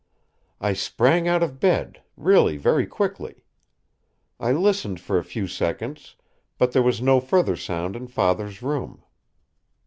"I sprang out of bed, really very quickly. I listened for a few seconds, but there was no further sound in father's room.